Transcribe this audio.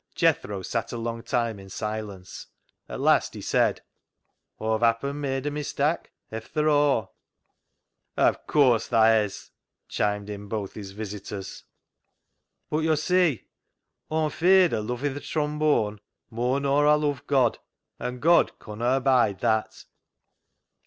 Jethro sat a long time in silence; at last he said —" Aw've happen made a mistak' efther aw." " Of course tha hez," chimed in both his visitors. " But yo see Aw'm feared o' lovin' th' trom bone moar nor Aw love God, and God conna abide that."